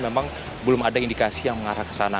memang belum ada indikasi yang mengarah ke sana